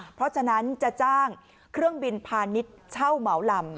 เพราะฉะนั้นจะจ้างเครื่องบินพาณิชย์เช่าเหมาลำ